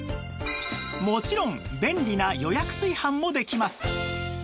もちろん便利な予約炊飯もできます